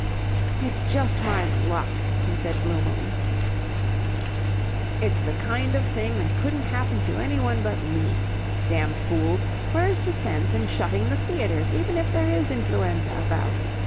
"It's just my luck," he said gloomily. "It's the kind of thing that couldn't happen to anyone but me. Damned fools! Where's the sense in shutting the theatres, even if there is influenza about?